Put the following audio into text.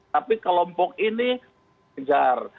tapi kelompok ini dikejar